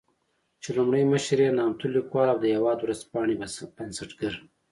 چې لومړی مشر يې نامتو ليکوال او د "هېواد" ورځپاڼې بنسټګر